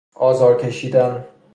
آزار کشیدن